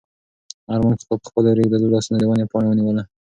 ارمان کاکا په خپلو رېږدېدلو لاسو د ونې پاڼه ونیوله.